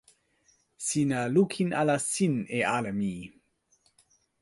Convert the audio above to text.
sina lukin ala sin e ale ni.